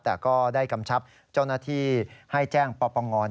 แต่ก็ได้กำชับเจ้าหน้าที่ให้แจ้งปปง